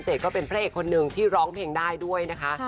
ก็เป็นพระเอกคนหนึ่งที่ร้องเพลงได้ด้วยนะคะ